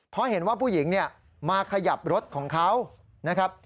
เพราะเห็นว่าผู้หญิงเนี่ยมาขยับรถของเขานะครับ